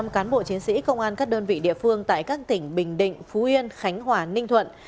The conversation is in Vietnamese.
một trăm linh cán bộ chiến sĩ công an các đơn vị địa phương tại các tỉnh bình định phú yên khánh hòa ninh thuận